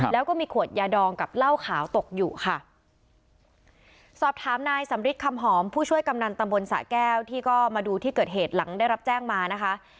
แล้วก็มีขวดยาดองกับเหล้าขาวตกอยู่ค่ะสอบถามนายสำริทคำหอมผู้ช่วยกำนันตำบลสะแก้วที่ก็มาดูที่เกิดเหตุหลังได้รับแจ้งมานะคะ